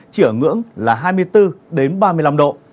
chỉ ở ngưỡng là hai mươi bốn đến ba mươi năm độ